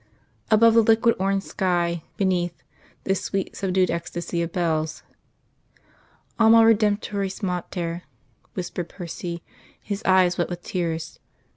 Above, the liquid orange sky; beneath, this sweet, subdued ecstasy of bells. "Alma Redemptoris Mater," whispered Percy, his eyes wet with tears.